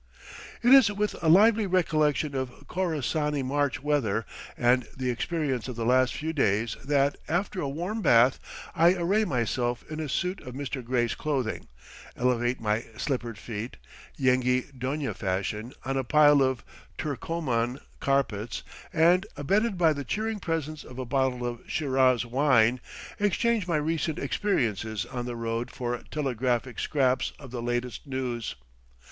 It is with lively recollection of Khorassani March weather and the experience of the last few days that, after a warm bath, I array myself in a suit of Mr. Gray's clothing, elevate my slippered feet, "Yenghi Donia fashion," on a pile of Turcoman! carpets, and, abetted by the cheering presence of a bottle of Shiraz wine, exchange my recent experiences on the road for telegraphic scraps of the latest news.